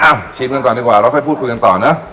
เอ้าชิมกันต่อดีกว่าแล้วพูดกันกันต่อเนอะ